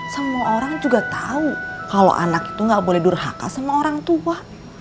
semua orang juga tahu kalau anak itu gak boleh durhaka sama orang tua